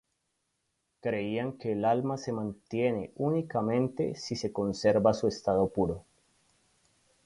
Creían que el alma se mantiene únicamente si se conserva su estado puro.